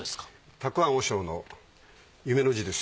沢庵和尚の夢の字です。